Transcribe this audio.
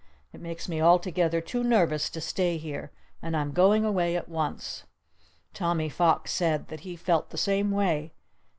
It makes me altogether too nervous to stay here. And I'm going away at once." Tommy Fox said that he felt the same way.